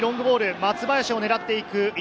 松林を狙っていく１